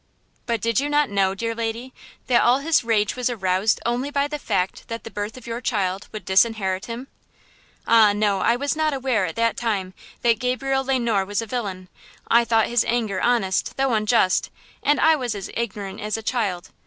"But did you not know, dear lady, that all his rage was aroused only by the fact that the birth of your child would disinherit him?" "Ah, no! I was not aware, at that time, that Gabriel Le Noir was a villain. I thought his anger honest, though unjust, and I was as ignorant as a child.